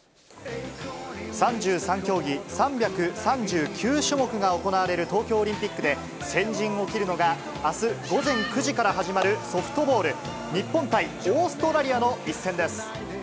３３競技３３９種目が行われる東京オリンピックで、先陣を切るのが、あす午前９時から始まるソフトボール、日本対オーストラリアの一戦です。